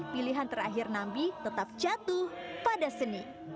pilihan terakhir nambi tetap jatuh pada seni